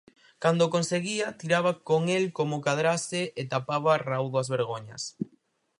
cando o conseguía, tiraba con el como cadrase e tapaba raudo as vergoñas.